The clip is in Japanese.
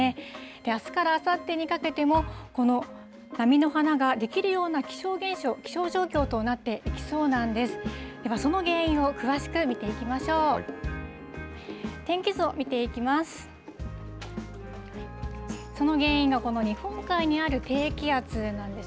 あすからあさってにかけても、この波の花が出来るような気象現象、気象状況となっていきそうなんです。